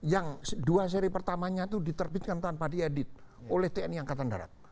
yang dua seri pertamanya itu diterbitkan tanpa diedit oleh tni angkatan darat